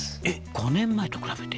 ５年前と比べて。